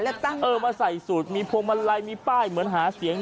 เออมาใส่สูตรมีพวงมาลัยมีป้ายเหมือนหาเสียง